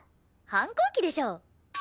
反抗期でしょ？